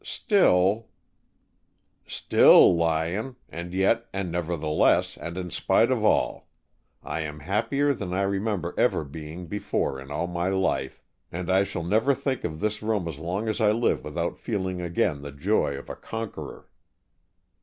"Still, " "Still, Lyon, and yet, and nevertheless, and in spite of all, I am happier than I remember ever being before in all my life, and I shall never think of this room so long as I live without feeling again the joy of a conqueror."